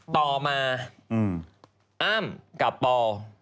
ต่อมากับปอล์